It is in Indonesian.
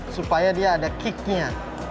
supaya ada kick nya